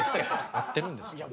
合ってるんですか？